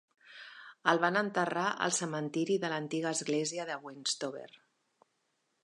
El van enterrar al cementiri de l'antiga església de Westover.